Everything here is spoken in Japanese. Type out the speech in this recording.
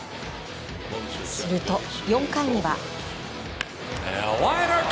すると、４回には。